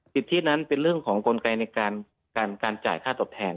สิทธินั้นเป็นเรื่องของกลไกในการจ่ายค่าตอบแทน